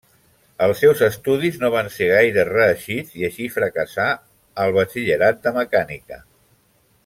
Els seus estudis no van ser gaire reeixits i així fracassà al batxillerat de mecànica.